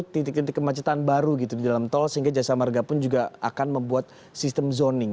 jadi justru titik titik kemacetan baru gitu di dalam tol sehingga jasa marga pun juga akan membuat sistem zoning